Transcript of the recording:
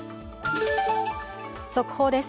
速報です。